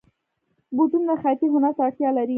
بوټونه د خیاطۍ هنر ته اړتیا لري.